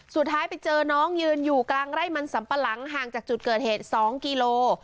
สุดท้ายไปเจอน้องยืนอยู่กลางไร่มันสัมปะหลังห่างจากจุดเกิดเหตุ๒กิโล